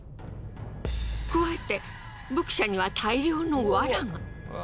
加えて牧舎には大量のワラが。